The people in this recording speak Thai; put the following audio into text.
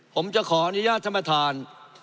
ผมจะขออนุญาตธรรมฐาน